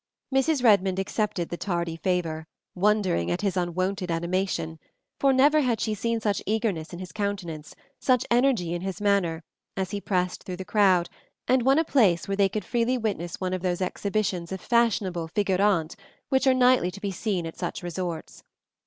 Mrs. Redmond accepted the tardy favor, wondering at his unwonted animation, for never had she seen such eagerness in his countenance, such energy in his manner as he pressed through the crowd and won a place where they could freely witness one of those exhibitions of fashionable figurante which are nightly to be seen at such resorts.